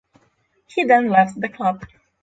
He then left the club.